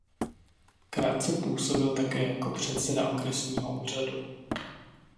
Krátce působil také jako přednosta okresního úřadu.